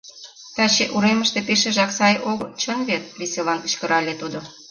— Таче уремыште пешыжак сай огыл, чын вет? — веселан кычкырале тудо.